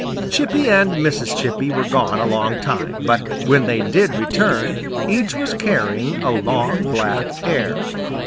Chippy and Mrs. Chippy were gone a long time, but when they did return each was carrying a long black hair.